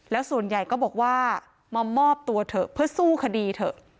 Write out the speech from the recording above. แล้วส่วนใหญ่ก็บอกว่ามามอบตัวเถอะเพื่อสู้คดีเถอะ